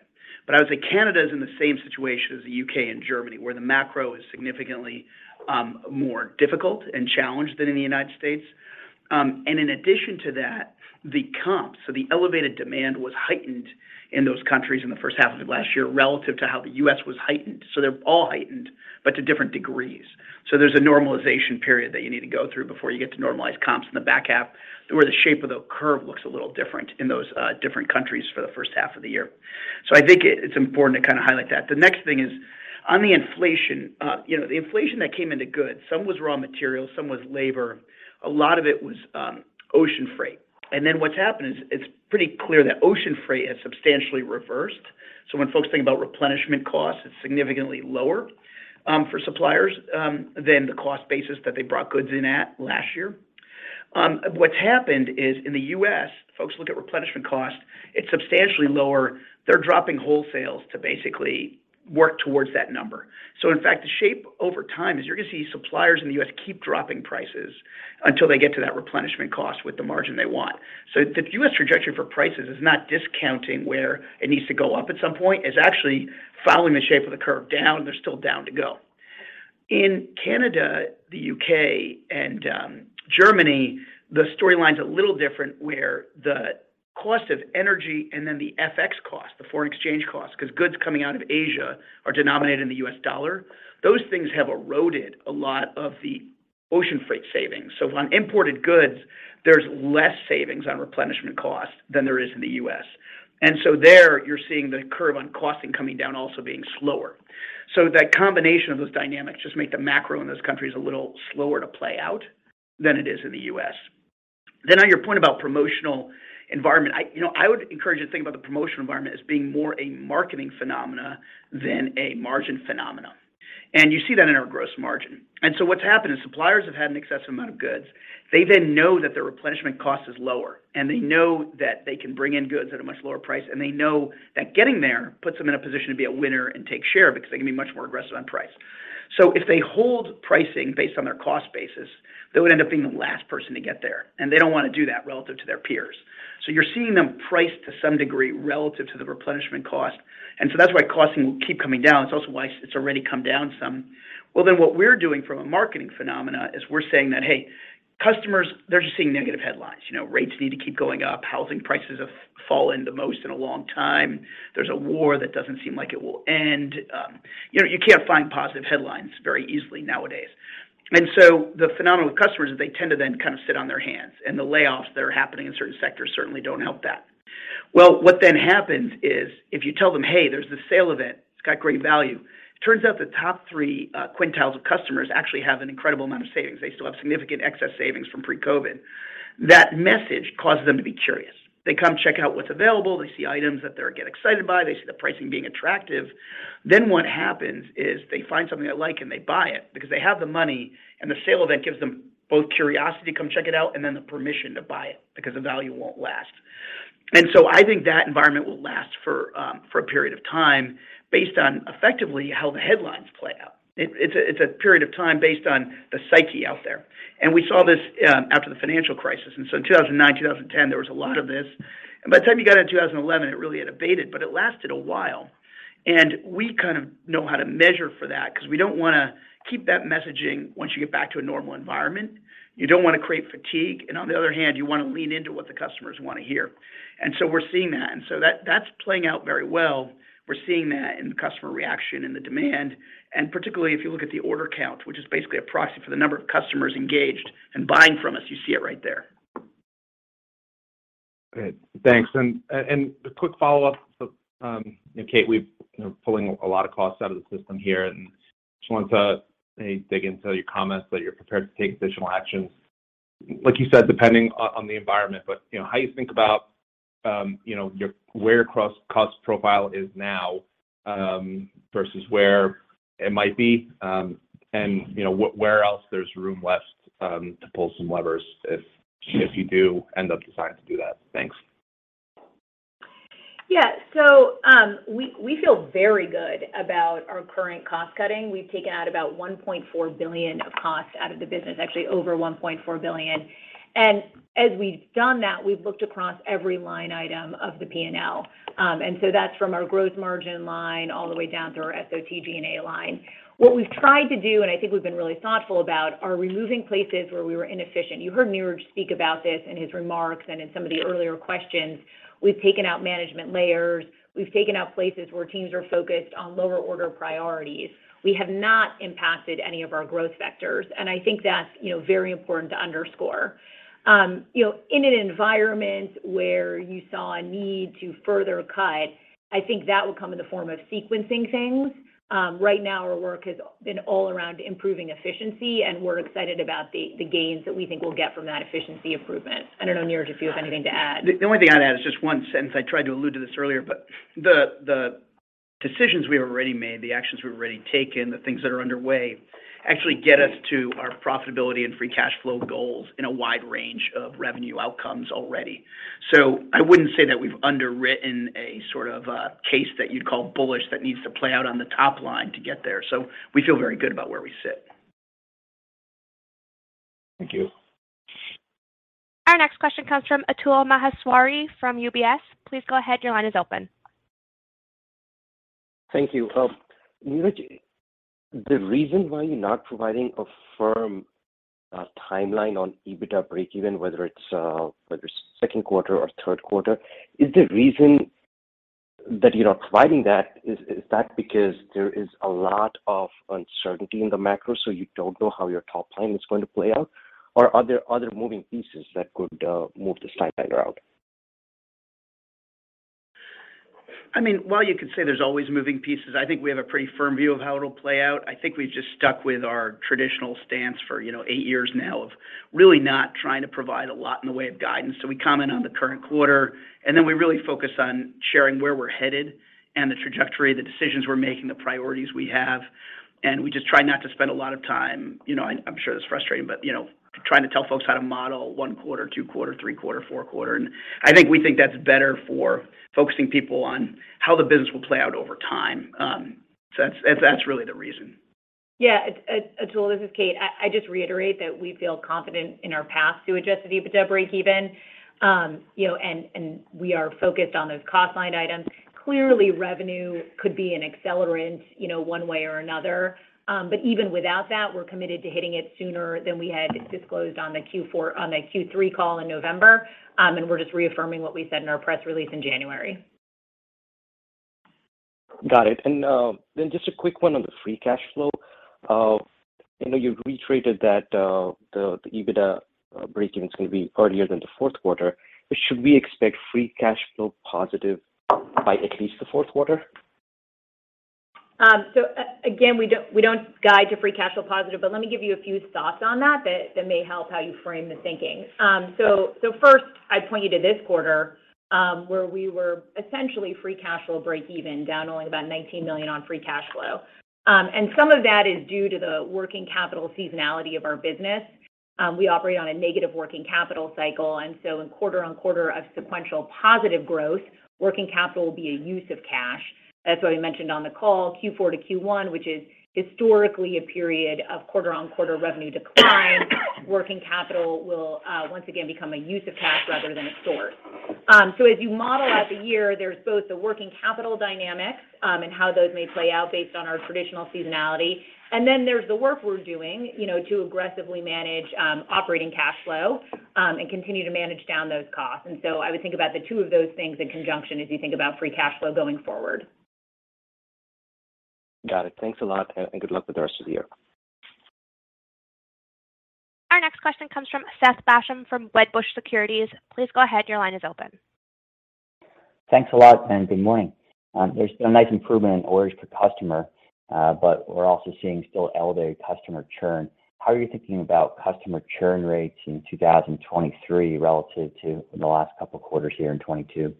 I would say Canada is in the same situation as the U.K. and Germany, where the macro is significantly more difficult and challenged than in the United States. And in addition to that, the comps, so the elevated demand was heightened in those countries in the first half of last year relative to how the U.S. was heightened. They're all heightened, but to different degrees. There's a normalization period that you need to go through before you get to normalize comps in the back half, where the shape of the curve looks a little different in those different countries for the first half of the year. I think it's important to kind of highlight that. The next thing is on the inflation. You know, the inflation that came into goods, some was raw materials, some was labor, a lot of it was ocean freight. What's happened is it's pretty clear that ocean freight has substantially reversed. When folks think about replenishment costs, it's significantly lower for suppliers than the cost basis that they brought goods in at last year. What's happened is in the U.S., folks look at replenishment cost, it's substantially lower. They're dropping wholesales to basically work towards that number. In fact, the shape over time is you're gonna see suppliers in the U.S. keep dropping prices until they get to that replenishment cost with the margin they want. The U.S. trajectory for prices is not discounting where it needs to go up at some point. It's actually following the shape of the curve down. There's still down to go. In Canada, the U.K., and Germany, the storyline's a little different, where the cost of energy and then the FX cost, the foreign exchange cost, because goods coming out of Asia are denominated in the U.S. dollar. Those things have eroded a lot of the ocean freight savings. On imported goods, there's less savings on replenishment costs than there is in the U.S. There you're seeing the curve on costing coming down also being slower. That combination of those dynamics just make the macro in those countries a little slower to play out than it is in the U.S. On your point about promotional environment, you know, I would encourage you to think about the promotional environment as being more a marketing phenomena than a margin phenomena. You see that in our gross margin. What's happened is suppliers have had an excess amount of goods. They then know that their replenishment cost is lower, and they know that they can bring in goods at a much lower price. They know that getting there puts them in a position to be a winner and take share because they can be much more aggressive on price. If they hold pricing based on their cost basis, they would end up being the last person to get there, and they don't wanna do that relative to their peers. You're seeing them price to some degree relative to the replenishment cost. That's why costing will keep coming down. It's also why it's already come down some. What we're doing from a marketing phenomena is we're saying that, "Hey, customers, they're just seeing negative headlines." You know, rates need to keep going up. Housing prices have fallen the most in a long time. There's a war that doesn't seem like it will end. You know, you can't find positive headlines very easily nowadays. The phenomenon with customers is they tend to then kind of sit on their hands, and the layoffs that are happening in certain sectors certainly don't help that. Well, what then happens is if you tell them, "Hey, there's this sale event, it's got great value," it turns out the top three quintiles of customers actually have an incredible amount of savings. They still have significant excess savings from pre-COVID. That message causes them to be curious. They come check out what's available. They see items that they get excited by. They see the pricing being attractive. What happens is they find something they like, and they buy it because they have the money, and the sale event gives them both curiosity to come check it out and then the permission to buy it because the value won't last. I think that environment will last for a period of time based on effectively how the headlines play out. It's a period of time based on the psyche out there. We saw this after the financial crisis. In 2009, 2010, there was a lot of this. By the time you got into 2011, it really had abated, but it lasted a while. We kind of know how to measure for that because we don't wanna keep that messaging once you get back to a normal environment. You don't wanna create fatigue, and on the other hand, you wanna lean into what the customers wanna hear. We're seeing that. That's playing out very well. We're seeing that in the customer reaction and the demand. Particularly if you look at the order count, which is basically a proxy for the number of customers engaged and buying from us, you see it right there. Great. Thanks. A quick follow-up. You know, Kate, we're, you know, pulling a lot of costs out of the system here, and just wanted to maybe dig into your comments that you're prepared to take additional actions, like you said, depending on the environment. You know, how you think about, you know, your cost profile is now, versus where it might be, and you know, where else there's room left, to pull some levers if you do end up deciding to do that. Thanks. Yeah. We feel very good about our current cost cutting. We've taken out about $1.4 billion of costs out of the business, actually over $1.4 billion. As we've done that, we've looked across every line item of the P&L. That's from our growth margin line all the way down through our SOTG&A line. What we've tried to do, I think we've been really thoughtful about, are removing places where we were inefficient. You heard Niraj speak about this in his remarks and in some of the earlier questions. We've taken out management layers. We've taken out places where teams are focused on lower order priorities. We have not impacted any of our growth vectors, I think that's, you know, very important to underscore. You know, in an environment where you saw a need to further cut, I think that would come in the form of sequencing things. Right now our work has been all around improving efficiency, and we're excited about the gains that we think we'll get from that efficiency improvement. I don't know, Niraj, if you have anything to add? The only thing I'd add is just one sentence. I tried to allude to this earlier, but the decisions we've already made, the actions we've already taken, the things that are underway actually get us to our profitability and free cash flow goals in a wide range of revenue outcomes already. I wouldn't say that we've underwritten a sort of a case that you'd call bullish that needs to play out on the top line to get there. We feel very good about where we sit. Thank you. Our next question comes from Atul Maheswari from UBS. Please go ahead. Your line is open. Thank you. Niraj, the reason why you're not providing a firm timeline on EBITDA breakeven, whether it's Q2 or Q3, is the reason that you're not providing that, is that because there is a lot of uncertainty in the macro, so you don't know how your top line is going to play out? Or are there other moving pieces that could move this timeline around? I mean, while you could say there's always moving pieces, I think we have a pretty firm view of how it'll play out. I think we've just stuck with our traditional stance for, you know, eight years now of really not trying to provide a lot in the way of guidance. We comment on the current quarter, and then we really focus on sharing where we're headed and the trajectory, the decisions we're making, the priorities we have, and we just try not to spend a lot of time. You know, I'm sure that's frustrating, but, you know, trying to tell folks how to model one quarter, two quarter, three quarter, four quarter. I think we think that's better for focusing people on how the business will play out over time. That's really the reason. Atul, this is Kate. I just reiterate that we feel confident in our path to adjusted EBITDA breakeven. You know, and we are focused on those cost line items. Clearly, revenue could be an accelerant, you know, one way or another. Even without that, we're committed to hitting it sooner than we had disclosed on the Q3 call in November. We're just reaffirming what we said in our press release in January. Got it. Then just a quick one on the free cash flow. I know you've reiterated that the EBITDA breakeven is gonna be earlier than the Q4. Should we expect free cash flow positive by at least the Q4? Again, we don't, we don't guide to free cash flow positive, but let me give you a few thoughts on that may help how you frame the thinking. First I'd point you to this quarter where we were essentially free cash flow breakeven, down only about $19 million on free cash flow. Some of that is due to the working capital seasonality of our business. We operate on a negative working capital cycle, and so in quarter-on-quarter of sequential positive growth, working capital will be a use of cash. That's why we mentioned on the call Q4 to Q1, which is historically a period of quarter-on-quarter revenue decline. Working capital will once again become a use of cash rather than a store. As you model out the year, there's both the working capital dynamics, and how those may play out based on our traditional seasonality. There's the work we're doing, you know, to aggressively manage operating cash flow, and continue to manage down those costs. I would think about the two of those things in conjunction as you think about free cash flow going forward. Got it. Thanks a lot, and good luck with the rest of the year. Our next question comes from Seth Basham from Wedbush Securities. Please go ahead. Your line is open. Thanks a lot, good morning. There's been a nice improvement in orders per customer, we're also seeing still elevated customer churn. How are you thinking about customer churn rates in 2023 relative to the last couple of quarters here in 2022?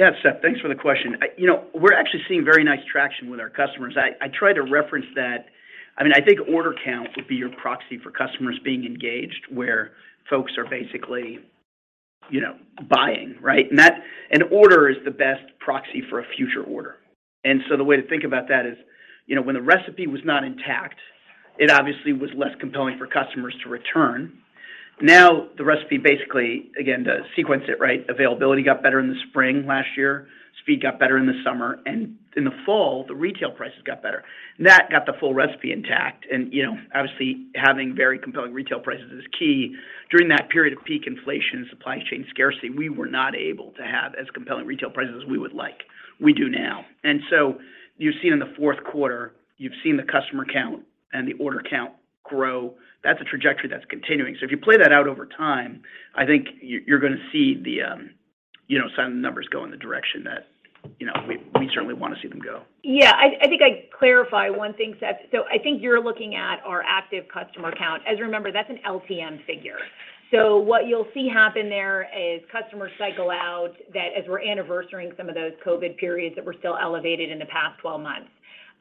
Yeah. Seth, thanks for the question. You know, we're actually seeing very nice traction with our customers. I try to reference I mean, I think order count would be your proxy for customers being engaged, where folks are basically, you know, buying, right? An order is the best proxy for a future order. The way to think about that is, you know, when the recipe was not intact, it obviously was less compelling for customers to return. Now, the recipe basically, again, to sequence it right, availability got better in the spring last year, speed got better in the summer, and in the fall, the retail prices got better. That got the full recipe intact. You know, obviously, having very compelling retail prices is key. During that period of peak inflation and supply chain scarcity, we were not able to have as compelling retail prices as we would like. We do now. You've seen in the Q4, you've seen the customer count and the order count grow. That's a trajectory that's continuing. If you play that out over time, I think you're gonna see the, you know, some of the numbers go in the direction that, you know, we certainly wanna see them go. Yeah. I think I'd clarify one thing, Seth. I think you're looking at our active customer count. As you remember, that's an LTM figure. What you'll see happen there is customer cycle out that as we're anniversarying some of those COVID periods that were still elevated in the past 12 months.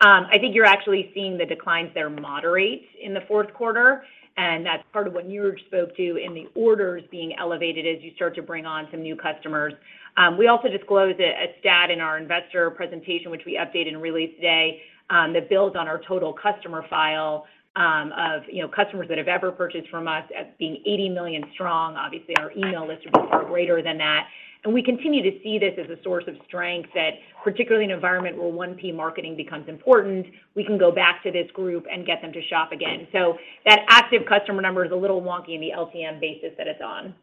I think you're actually seeing the declines there moderate in the Q4, and that's part of what Niraj spoke to in the orders being elevated as you start to bring on some new customers. We also disclose a stat in our investor presentation, which we updated and released today, that builds on our total customer file, of, you know, customers that have ever purchased from us as being 80 million strong. Obviously, our email list is far greater than that. We continue to see this as a source of strength that, particularly in an environment where 1P marketing becomes important, we can go back to this group and get them to shop again. That active customer number is a little wonky in the LTM basis that it's on.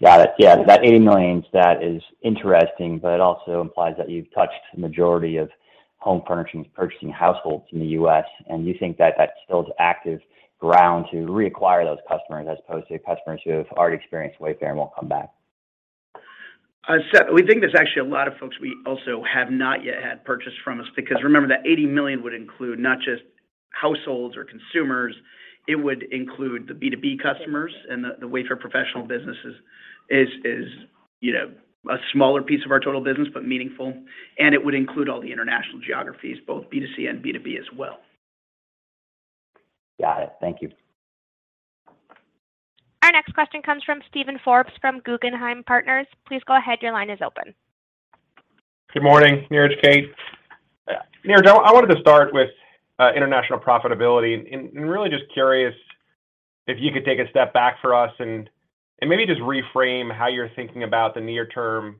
Got it. Yeah. That 80 million stat is interesting, but it also implies that you've touched the majority of home furnishings purchasing households in the U.S., and you think that that still is active ground to reacquire those customers as opposed to customers who have already experienced Wayfair and won't come back. Seth, we think there's actually a lot of folks we also have not yet had purchase from us because remember that 80 million would include not just households or consumers, it would include the B2B customers and the Wayfair Professional businesses is, you know, a smaller piece of our total business, but meaningful. It would include all the international geographies, both B2C and B2B as well. Got it. Thank you. Our next question comes from Steven Forbes from Guggenheim Partners. Please go ahead. Your line is open. Good morning, Niraj, Kate. Niraj, I wanted to start with international profitability. Really just curious if you could take a step back for us and maybe just reframe how you're thinking about the near term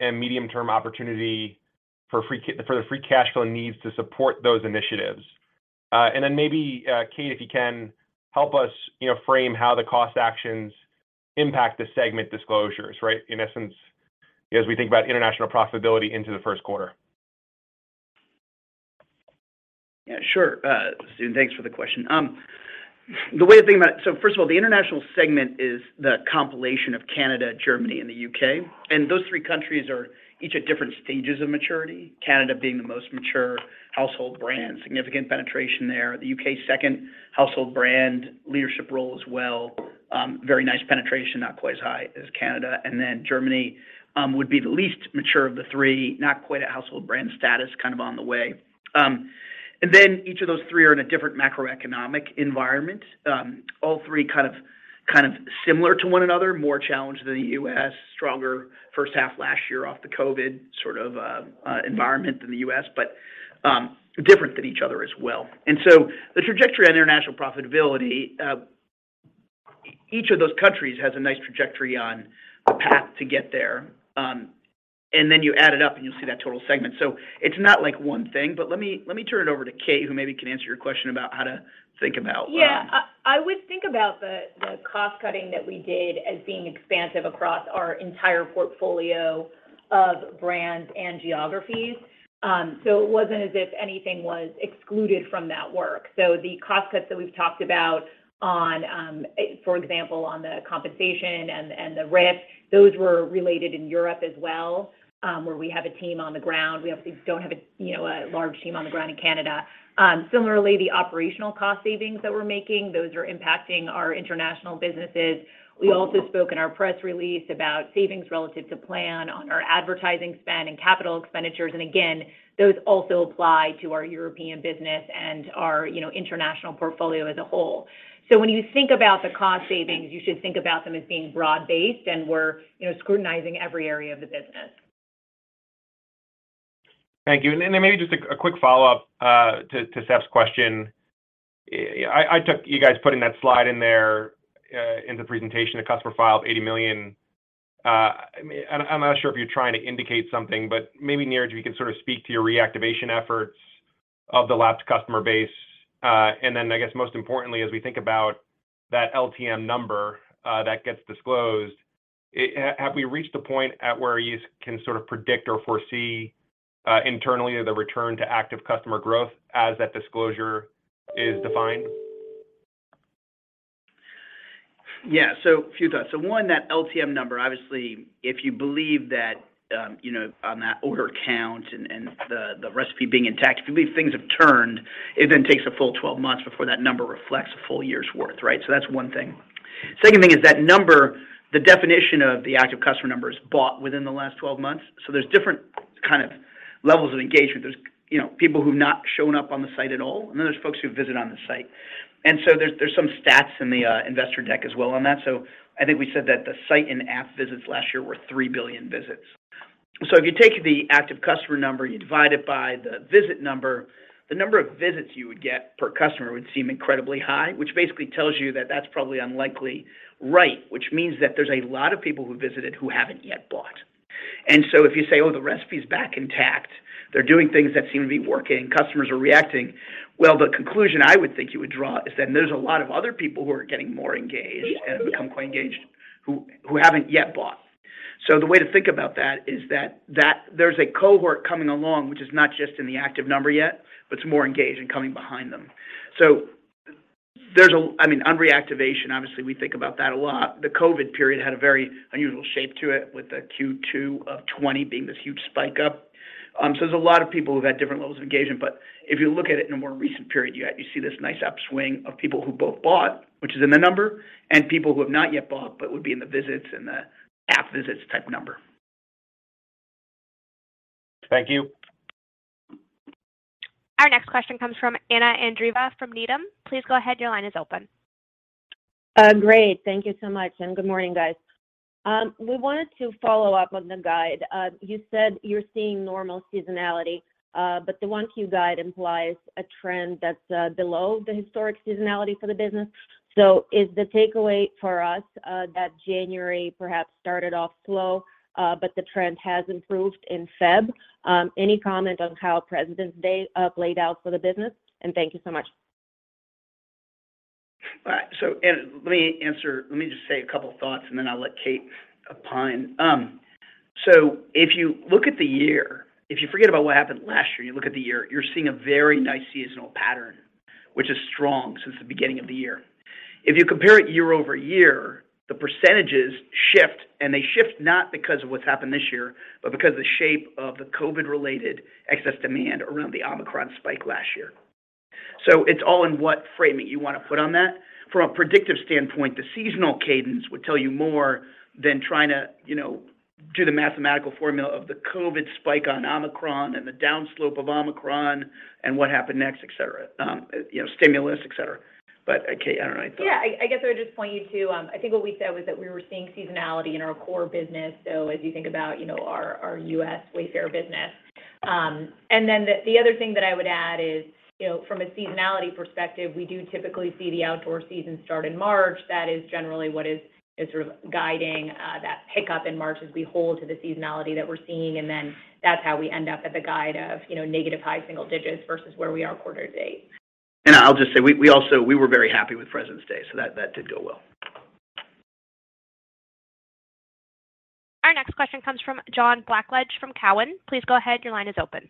and medium term opportunity for the free cash flow needs to support those initiatives. Then maybe Kate, if you can help us, you know, frame how the cost actions impact the segment disclosures, right? In essence, as we think about international profitability into the Q1? Yeah, sure. Steven, thanks for the question. The way to think about. First of all, the international segment is the compilation of Canada, Germany, and the U.K. Those three countries are each at different stages of maturity. Canada being the most mature household brand, significant penetration there. The U.K., second household brand, leadership role as well. Very nice penetration, not quite as high as Canada. Germany would be the least mature of the three, not quite a household brand status, kind of on the way. Each of those three are in a different macroeconomic environment. All three kind of similar to one another, more challenged than the U.S., stronger first half last year off the COVID sort of environment than the U.S., but different than each other as well. The trajectory on international profitability, each of those countries has a nice trajectory on a path to get there. You add it up, and you'll see that total segment. It's not like one thing, but let me turn it over to Kate, who maybe can answer your question about how to think about. I would think about the cost-cutting that we did as being expansive across our entire portfolio of brands and geographies. It wasn't as if anything was excluded from that work. The cost cuts that we've talked about on, for example, on the compensation and the rent, those were related in Europe as well, where we have a team on the ground. We obviously don't have a, you know, a large team on the ground in Canada. Similarly, the operational cost savings that we're making, those are impacting our international businesses. We also spoke in our press release about savings relative to plan on our advertising spend and capital expenditures. Again, those also apply to our European business and our, you know, international portfolio as a whole. When you think about the cost savings, you should think about them as being broad-based, and we're, you know, scrutinizing every area of the business. Thank you. Then maybe just a quick follow-up to Seth's question. Yeah, I took... You guys put in that slide in there in the presentation, the customer file of 80 million. I mean, I'm not sure if you're trying to indicate something, but maybe, Niraj, we can sort of speak to your reactivation efforts of the lapsed customer base. Then I guess most importantly, as we think about that LTM number that gets disclosed, have we reached a point at where you can sort of predict or foresee internally the return to active customer growth as that disclosure is defined? A few thoughts. One, that LTM number, obviously, if you believe that, you know, on that order count and the recipe being intact, if you believe things have turned, it then takes a full 12 months before that number reflects a full year's worth, right? That's one thing. Second thing is that number, the definition of the active customer number, is bought within the last 12 months. There's different kind of levels of engagement. There's, you know, people who've not shown up on the site at all, and then there's folks who visit on the site. There's some stats in the investor deck as well on that. I think we said that the site and app visits last year were 3 billion visits. If you take the active customer number, you divide it by the visit number, the number of visits you would get per customer would seem incredibly high, which basically tells you that that's probably unlikely, right? Means that there's a lot of people who visited who haven't yet bought. If you say, "Oh, the recipe's back intact. They're doing things that seem to be working. Customers are reacting," well, the conclusion I would think you would draw is that there's a lot of other people who are getting more engaged and have become quite engaged who haven't yet bought. The way to think about that is that there's a cohort coming along, which is not just in the active number yet, but it's more engaged and coming behind them. I mean, on reactivation, obviously, we think about that a lot. The COVID period had a very unusual shape to it with the Q2 of 2020 being this huge spike up. There's a lot of people who've had different levels of engagement. If you look at it in a more recent period, you see this nice upswing of people who both bought, which is in the number, and people who have not yet bought, but would be in the visits and the app visits type number. Thank you. Our next question comes from Anna Andreeva from Needham. Please go ahead. Your line is open. Great. Thank you so much. Good morning, guys. We wanted to follow-up on the guide. You said you're seeing normal seasonality, but the Q1 guide implies a trend that's below the historic seasonality for the business. Is the takeaway for us that January perhaps started off slow, but the trend has improved in Feb? Any comment on how President's Day played out for the business? Thank you so much. All right. Let me just say a couple thoughts, and then I'll let Kate opine. If you look at the year, if you forget about what happened last year and you look at the year, you're seeing a very nice seasonal pattern, which is strong since the beginning of the year. If you compare it year-over-year, the percentages shift, and they shift not because of what's happened this year, but because of the shape of the COVID-related excess demand around the Omicron spike last year. It's all in what framing you want to put on that. From a predictive standpoint, the seasonal cadence would tell you more than trying to, you know, do the mathematical formula of the COVID spike on Omicron and the downslope of Omicron and what happened next, et cetera. You know, stimulus, et cetera. Kate, I don't know. Yeah. I guess I would just point you to. I think what we said was that we were seeing seasonality in our core business, so as you think about, you know, our U.S. Wayfair business. The other thing that I would add is, you know, from a seasonality perspective, we do typically see the outdoor season start in March. That is generally what is sort of guiding that pickup in March as we hold to the seasonality that we're seeing. That's how we end up at the guide of, you know, negative high single digits versus where we are quarter-to-date. I'll just say we were very happy with President's Day, so that did go well. Our next question comes from John Blackledge from Cowen. Please go ahead. Your line is open.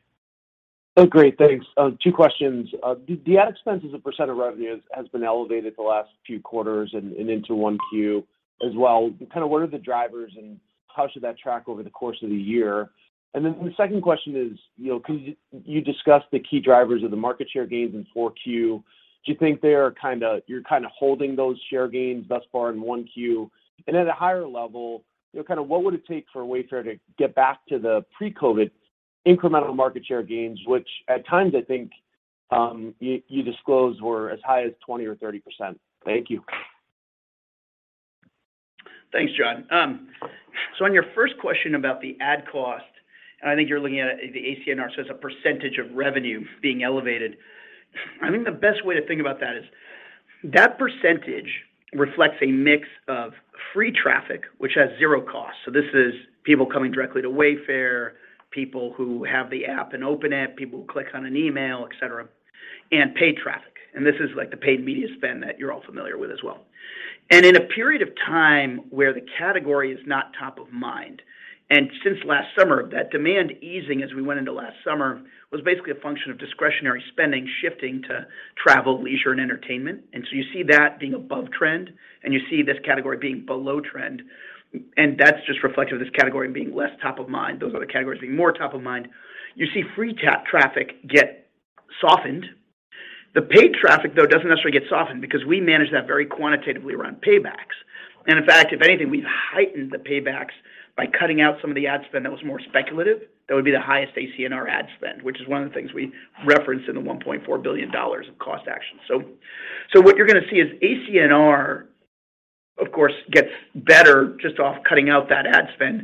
Oh, great. Thanks. Two questions. The ad expense as a percent of revenue has been elevated the last few quarters and into Q1 as well. Kind of what are the drivers, and how should that track over the course of the year? Then the second question is, you know, You discussed the key drivers of the market share gains in Q4. Do you think they are You're kinda holding those share gains thus far in Q1? At a higher level, you know, kind of what would it take for Wayfair to get back to the pre-COVID incremental market share gains, which at times I think, you disclosed were as high as 20% or 30%? Thank you. Thanks, John. On your first question about the ad cost, and I think you're looking at the ACNR, so it's a percentage of revenue being elevated. I think the best way to think about that is that percentage reflects a mix of free traffic, which has zero cost. This is people coming directly to Wayfair, people who have the app and open it, people who click on an email, et cetera. Paid traffic, and this is like the paid media spend that you're all familiar with as well. In a period of time where the category is not top of mind, and since last summer, that demand easing as we went into last summer was basically a function of discretionary spending shifting to travel, leisure, and entertainment. You see that being above trend, and you see this category being below trend, and that's just reflective of this category being less top of mind. Those other categories being more top of mind. You see free traffic get softened. The paid traffic, though, doesn't necessarily get softened because we manage that very quantitatively around paybacks. In fact, if anything, we've heightened the paybacks by cutting out some of the ad spend that was more speculative. That would be the highest ACNR ad spend, which is one of the things we referenced in the $1.4 billion of cost actions. What you're gonna see is ACNR, of course, gets better just off cutting out that ad spend.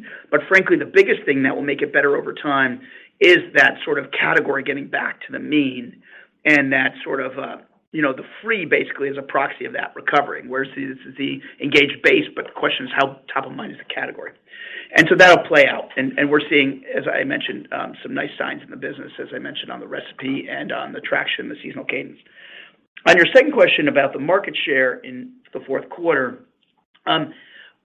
Frankly, the biggest thing that will make it better over time is that sort of category getting back to the mean and that sort of, you know, the free basically is a proxy of that recovering. Whereas this is the engaged base, but the question is how top of mind is the category. That'll play out, and we're seeing, as I mentioned, some nice signs in the business, as I mentioned on the recipe and on the traction, the seasonal cadence. On your second question about the market share in the Q4,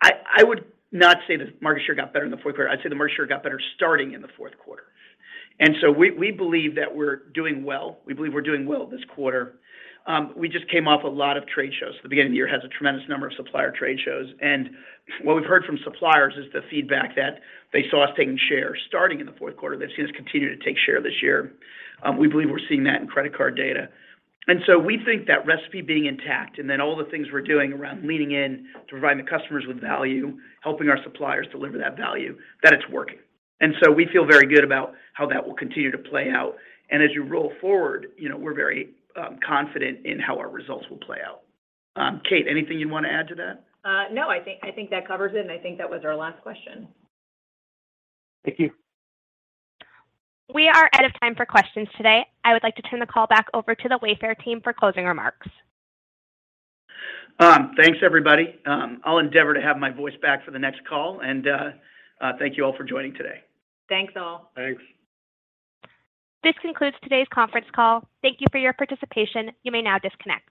I would not say the market share got better in the Q4. I'd say the market share got better starting in the Q4. We believe that we're doing well. We believe we're doing well this quarter. We just came off a lot of trade shows. The beginning of the year has a tremendous number of supplier trade shows. What we've heard from suppliers is the feedback that they saw us taking share starting in the Q4. They've seen us continue to take share this year. We believe we're seeing that in credit card data. We think that recipe being intact and then all the things we're doing around leaning in to providing the customers with value, helping our suppliers deliver that value, that it's working. We feel very good about how that will continue to play out. As you roll forward, you know, we're very confident in how our results will play out. Kate, anything you wanna add to that? No, I think, I think that covers it, and I think that was our last question. Thank you. We are out of time for questions today. I would like to turn the call back over to the Wayfair team for closing remarks. Thanks, everybody. I'll endeavor to have my voice back for the next call, and thank you all for joining today. Thanks, all. Thanks. This concludes today's conference call. Thank you for your participation. You may now disconnect.